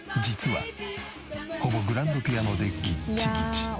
実はほぼグランドピアノでギッチギチ。